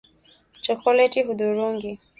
chokoleti hudhurungi